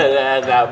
gak pak d